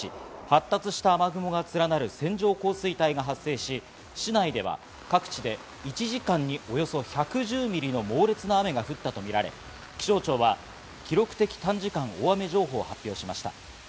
発達した雨雲が連なる線状降水帯が発生し、市内では各地で１時間におよそ１１０ミリの猛烈な雨が降ったとみられ、気象庁は記録的短時間大雨情報を発表しました。